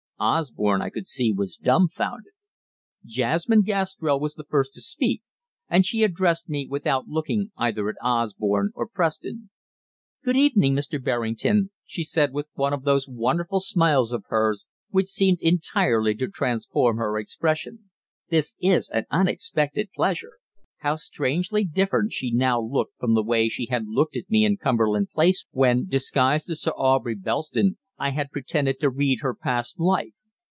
Osborne, I could see, was dumbfounded. Jasmine Gastrell was the first to speak, and she addressed me without looking either at Osborne or Preston. "Good evening, Mr. Berrington," she said, with one of those wonderful smiles of hers which seemed entirely to transform her expression; "this is an unexpected pleasure." How strangely different she now looked from the way she had looked at me in Cumberland Place when, disguised as Sir Aubrey Belston, I had pretended to read her past life!